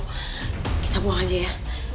kita buang aja ya